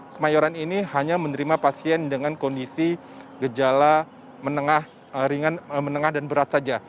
kemayoran ini hanya menerima pasien dengan kondisi gejala menengah dan berat saja